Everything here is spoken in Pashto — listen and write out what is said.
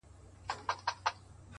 سترگي ور واوښتلې-